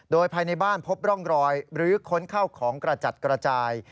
โดยภายในบ้านพบร่องรอยหรือค้นเข้าของกระจัดกระจาย